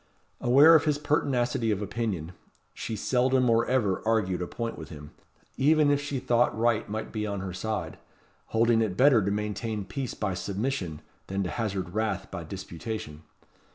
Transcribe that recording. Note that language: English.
Aware of his pertinacity of opinion, she seldom or ever argued a point with him, even if she thought right might be on her side; holding it better to maintain peace by submission, than to hazard wrath by disputation.